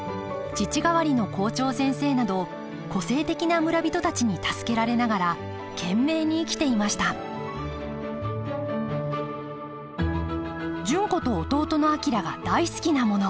父代わりの校長先生など個性的な村人たちに助けられながら懸命に生きていました純子と弟の昭が大好きなもの。